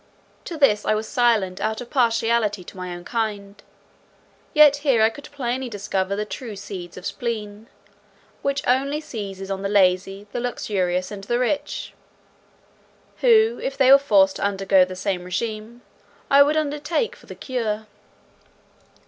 To this I was silent out of partiality to my own kind; yet here I could plainly discover the true seeds of spleen, which only seizes on the lazy, the luxurious, and the rich; who, if they were forced to undergo the same regimen, I would undertake for the cure.